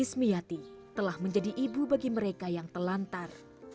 ismi yati telah menjadi ibu bagi mereka yang telantar